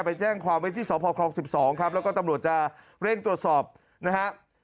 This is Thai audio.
ไปแจ้งความไว้ที่สพครอง๑๒ครับแล้วก็ตำรวจจะเร่งตรวจสอบนะฮะ